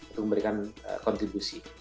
untuk memberikan kontribusi